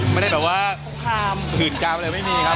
ไม่ได้แบบว่าโคคคามผิดคำอะไรไม่มีครับ